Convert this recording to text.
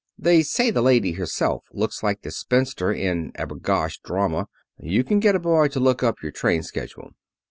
They say the lady herself looks like the spinster in a b'gosh drama. You can get a boy to look up your train schedule."